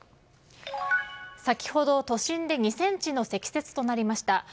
先ほど、都心で２ｃｍの積雪となりました。